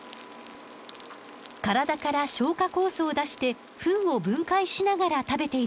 体から消化酵素を出してフンを分解しながら食べている音よ。